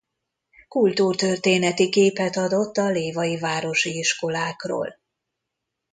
Kultúrtörténeti képet adott a lévai városi iskolákról.